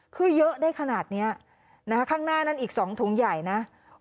คือเยอะได้ขนาดนี้ข้างหน้านั้นอีก๒ถุงใหญ่นะ